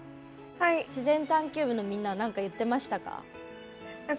自然探求部のみんなはなんか言ってましたか？